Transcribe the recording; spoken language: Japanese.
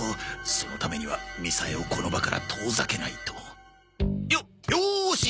そのためにはみさえをこの場から遠ざけないとよよーし！